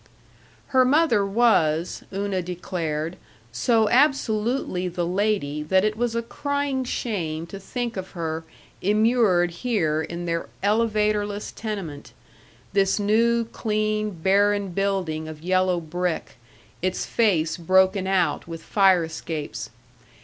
Her mother was, Una declared, so absolutely the lady that it was a crying shame to think of her immured here in their elevatorless tenement; this new, clean, barren building of yellow brick, its face broken out with fire escapes.